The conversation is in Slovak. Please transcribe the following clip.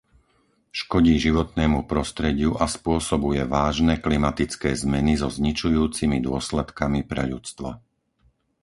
Škodí životnému prostrediu a spôsobuje vážne klimatické zmeny so zničujúcimi dôsledkami pre ľudstvo.